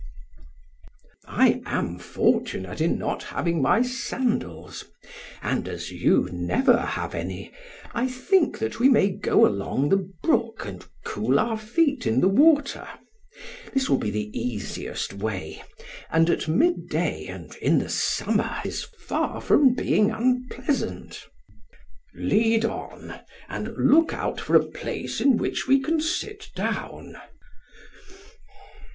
PHAEDRUS: I am fortunate in not having my sandals, and as you never have any, I think that we may go along the brook and cool our feet in the water; this will be the easiest way, and at midday and in the summer is far from being unpleasant. SOCRATES: Lead on, and look out for a place in which we can sit down.